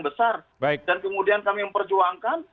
besar dan kemudian kami memperjuangkan